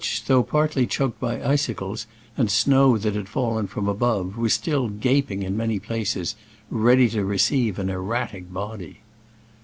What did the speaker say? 95 though partly choked by icicles and snow that had fallen from above, was still gaping in many places, ready to receive an erratic body.